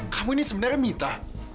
kamu ini sebenarnya mita